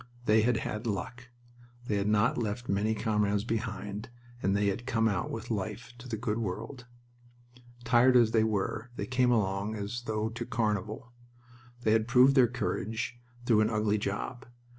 They had had luck. They had not left many comrades behind, and they had come out with life to the good world. Tired as they were, they came along as though to carnival. They had proved their courage through an ugly job.